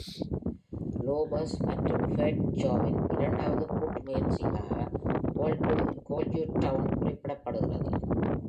Lopez மற்றும் Fat ஜோவின் இரண்டாவது கூட்டு முயற்சியாக "ஹோல்ட் யூ டவுன்" குறிப்பிடப்படுகிறது.